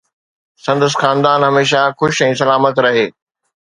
سندس خاندان هميشه خوش ۽ سلامت رهي